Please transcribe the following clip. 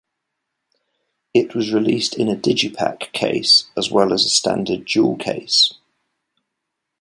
It was released in a digipak case as well as a standard jewel case.